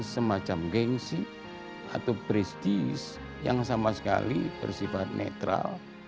semacam gengsi atau prestis yang sama sekali bersifat netral